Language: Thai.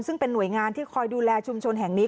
ซึ่งเป็นหน่วยงานที่คอยดูแลชุมชนแห่งนี้